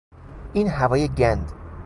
این هوای گند!